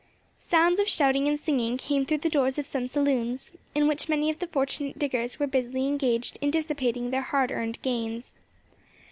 Sounds of shouting and singing came through the doors of some saloons, in which many of the fortunate diggers were busily engaged in dissipating their hard earned gains.